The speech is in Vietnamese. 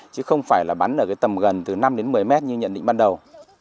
chứ không phải là bắn ở cái tầm gần từ năm đến một mươi mét như nhận định ban đầu